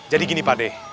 jadi gini pade